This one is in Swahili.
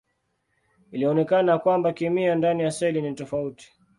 Ilionekana ya kwamba kemia ndani ya seli ni tofauti.